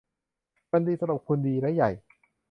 มันดีสำหรับคุณ -- ดีและใหญ่